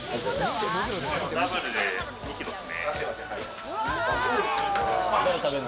ダブルで２キロですね。